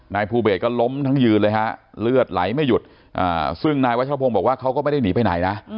นายภูเบสก็ล้มทั้งยืนเลยฮะเลือดไหลไม่หยุดซึ่งนายวัชพงศ์บอกว่าเขาก็ไม่ได้หนีไปไหนนะ